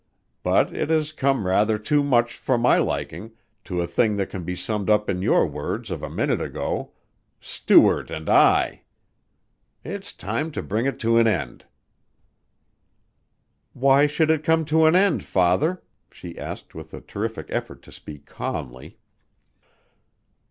But it has come rather too much, for my liking, to a thing that can be summed up in your words of a minute ago 'Stuart and I.' It's time to bring it to an end." "Why should it come to an end, Father?" she asked with a terrific effort to speak calmly.